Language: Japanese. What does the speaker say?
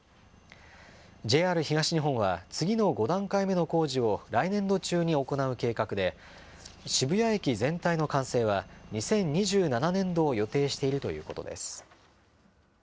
ＪＲ東日本は、次の５段階目の工事を来年度中に行う計画で、渋谷駅全体の完成は、２０２７年度を予定しているということです。